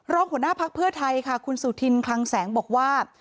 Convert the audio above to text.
หัวหน้าพักเพื่อไทยค่ะคุณสุธินคลังแสงบอกว่า